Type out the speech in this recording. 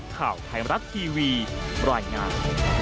ข่าวไทยมรัฐทีวีรายงาน